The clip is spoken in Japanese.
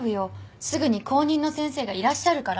すぐに後任の先生がいらっしゃるから。